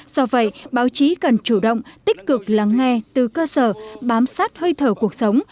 do vậy báo chí cần chủ động tích cực lắng nghe từ cơ sở bám sát hơi thở cuộc sống